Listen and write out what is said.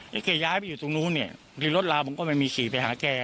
แกย้ายไปอยู่ตรงนู้นเนี่ยรถลาวผมก็ไม่มีขี่ไปหาแก